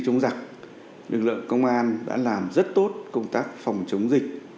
chào quý vị và hẹn gặp lại chiến tranh sau